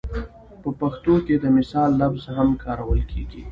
په پښتو کې د مثال لفظ هم کارول کېږي